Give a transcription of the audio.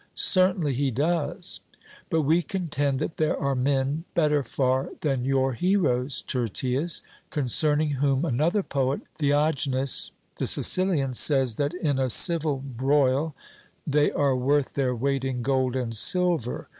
'Certainly he does.' But we contend that there are men better far than your heroes, Tyrtaeus, concerning whom another poet, Theognis the Sicilian, says that 'in a civil broil they are worth their weight in gold and silver.'